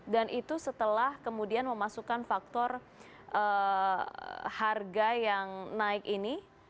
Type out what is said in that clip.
dan itu setelah kemudian memasukkan faktor harga yang naik ini